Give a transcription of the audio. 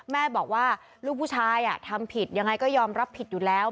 แม่บอกว่าลูกผู้ชายทำผิดยังไงก็ยอมรับผิดอยู่แล้ว